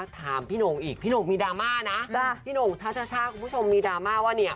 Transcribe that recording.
ถามพี่หน่งอีกพี่หน่งมีดราม่านะพี่หน่งช่าคุณผู้ชมมีดราม่าว่าเนี่ย